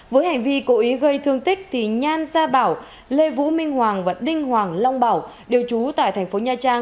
với hành vi cố ý gây thương tích thì nhan gia bảo lê vũ minh hoàng và đinh hoàng long bảo đều trú tại tp nha trang